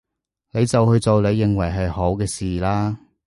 你就去做你認為係好嘅事啦